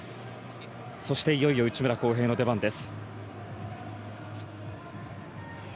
そして、いよいよ内村航平の出番です。